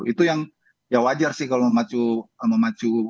itu yang ya wajar sih kalau memacu